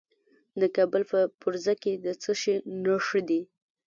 د کابل په فرزه کې د څه شي نښې دي؟